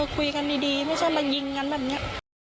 คุยกันดีไม่ใช่มายิงกันแบบนี้